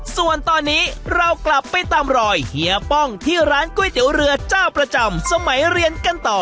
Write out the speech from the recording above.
ส่วนตอนนี้เรากลับไปตามรอยเฮียป้องที่ร้านก๋วยเตี๋ยวเรือเจ้าประจำสมัยเรียนกันต่อ